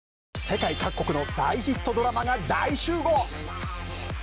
世界各国の大ヒットドラマが大集合！